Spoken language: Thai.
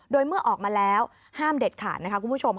โดยเมื่อออกมาแล้วห้ามเด็ดขาดนะคะคุณผู้ชม